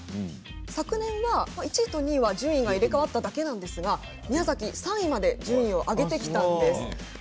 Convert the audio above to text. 昨年は１位と２位は順位が入れ替わっただけなんですが宮崎は３位まで順位を上げてきたんです。